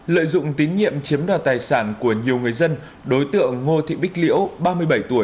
lợi dụng tín nhiệm chiếm đoạt tài sản của nhiều người dân đối tượng ngô thị bích liễu ba mươi bảy tuổi